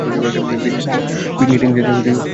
বিঙ্কিটটিঙ্কিটজাতীয় কিছু দিতে পারলে ভালো হত।